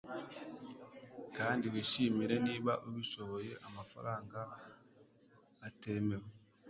Kandi wishimire niba ubishoboye amafaranga atemewe